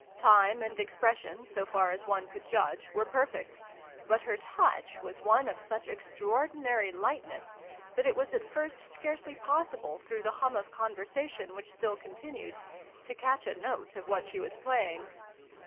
Time and expression, so far as one could judge, were perfect : but her touch was one of such extraordinary lightness that it was at first scarcely possible, through the hum of conversation which still continued, to catch a note of what she was playing.